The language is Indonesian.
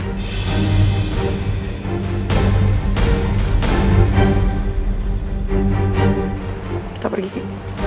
kita pergi ki